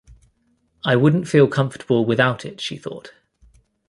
“I wouldn’t feel comfortable without it,” she thought.